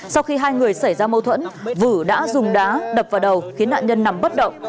sau khi hai người xảy ra mâu thuẫn vự đã dùng đá đập vào đầu khiến nạn nhân nằm bất động